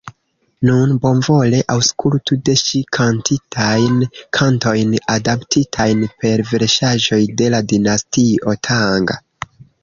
Nun bonvole aŭskultu de ŝi kantitajn kantojn adaptitajn per versaĵoj de la dinastio Tang.